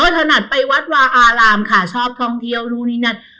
ถนัดไปวัดวาอารามค่ะชอบท่องเที่ยวนู่นนี่นั่น